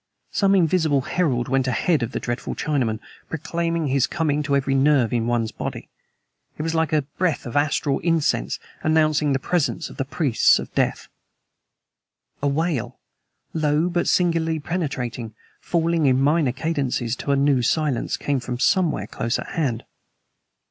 Some invisible herald went ahead of the dreadful Chinaman, proclaiming his coming to every nerve in one's body. It was like a breath of astral incense, announcing the presence of the priests of death. A wail, low but singularly penetrating, falling in minor cadences to a new silence, came from somewhere close at hand.